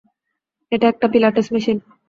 এটা একটা পিলাটেস মেশিন।